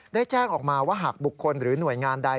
ได้แจ้งออกมาว่าหากบุคคลหรือหน่วยงานใด